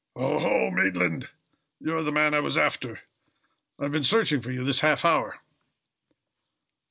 "Oho! Maitland, you are the man I was after. I've been searching for you this half hour."